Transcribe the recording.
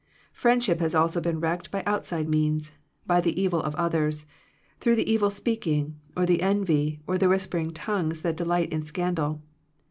Friendship has also been wrecked by outside means, by the evil of others, through the evil speaking, or the envy, or the whispering tongues that delight in scandal.